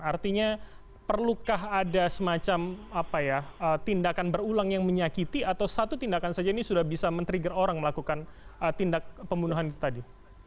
artinya perlukah ada semacam tindakan berulang yang menyakiti atau satu tindakan saja ini sudah bisa men trigger orang melakukan tindak pembunuhan itu tadi